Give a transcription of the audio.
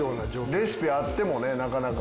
レシピあってもねなかなか。